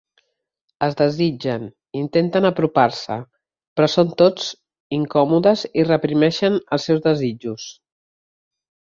Es desitgen, intenten apropar-se, però són tots són incòmodes i reprimeixen els seus desitjos.